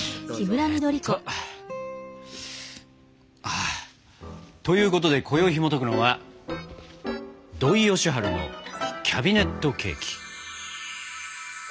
あということで今宵ひもとくのは「土井善晴のキャビネットケーキ」。